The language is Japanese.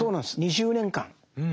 ２０年間。